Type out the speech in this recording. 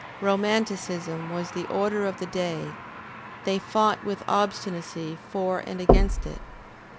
ROMANTICISM was the order of the day; they fought with obstinacy for and against it.